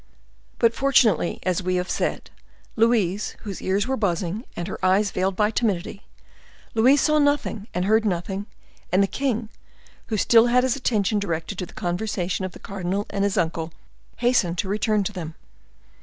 But fortunately, as we have said, Louise, whose ears were buzzing, and her eyes veiled by timidity,—Louise saw nothing and heard nothing; and the king, who had still his attention directed to the conversation of the cardinal and his uncle, hastened to return to them.